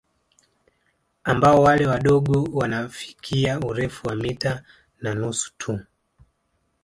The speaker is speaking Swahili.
Ambao wale wadogo wanafikia urefu wa mita na nusu tu